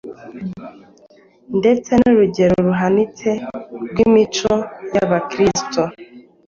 ndetse n’urugero ruhanitse rw’imico y’Abakristo,